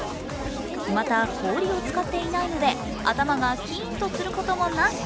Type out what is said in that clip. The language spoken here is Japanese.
また、氷を使っていないので頭がキーンとすることもなし。